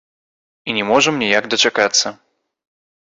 І не можам ніяк дачакацца.